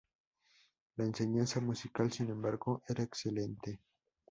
La enseñanza musical, sin embargo, era excelente.